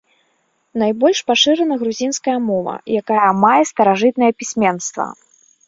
Найбольш пашырана грузінская мова, якая мае старажытнае пісьменства.